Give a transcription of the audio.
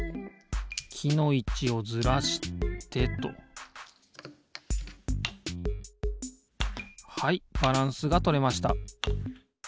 きのいちをずらしてとはいバランスがとれました